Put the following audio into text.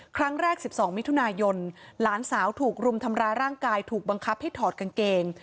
ครั้งแรก๑๒มิถุนายนหลานสาวถูกรุมทำร้ายร่างกายถูกบังคับให้ถอดกางเกง